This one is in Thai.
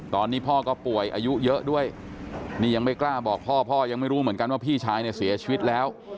ตอนนี้พ่อก็ป่วยอายุเยอะด้วยนี่ยังไม่กล้าบอกพ่อพ่อยังไม่รู้เหมือนกันว่าพี่ชายเนี่ยเสียชีวิตแล้ว